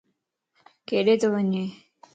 ڪيڏي تو وڃي؟